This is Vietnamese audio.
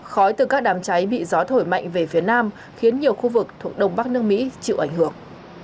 khói từ các đám cháy bị gió thổi mạnh về phía nam khiến nhiều khu vực thuộc đông bắc nước mỹ chịu ảnh hưởng